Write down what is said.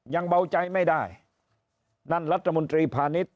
ยังเบาใจไม่ได้นั่นรัฐมนตรีพาณิชย